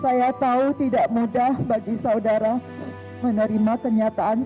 saya tahu tidak mudah bagi saudara menerima kenyataan